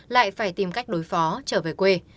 lại phải tìm cách đối phó trở về quê